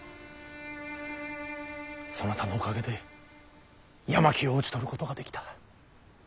そなたのおかげで山木を討ち取ることができた。